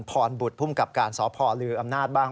พรบุตรภูมิกับการสพลืออำนาจบ้าง